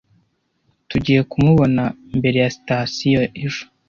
Tugiye kumubona imbere ya sitasiyo ejo.